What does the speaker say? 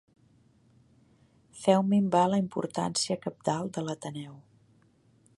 Feu minvar la importància cabdal de l'Ateneu.